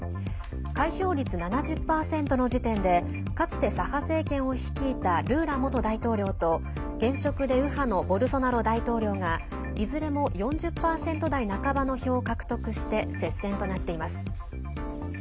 開票率７０％の時点でかつて、左派政権を率いたルーラ元大統領と現職で右派のボルソナロ大統領がいずれも４０％台半ばの票を獲得して接戦となっています。